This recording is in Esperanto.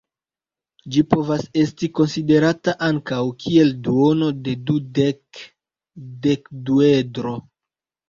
Ĝi povas esti konsiderata ankaŭ kiel duono de dudek-dekduedro.